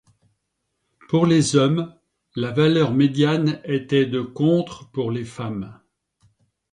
Pour les hommes, la valeur médiane était de contre pour les femmes.